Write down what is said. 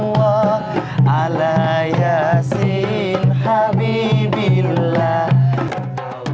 wah berhenti gak